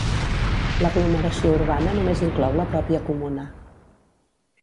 L'aglomeració urbana només inclou la pròpia comuna.